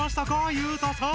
裕太さん！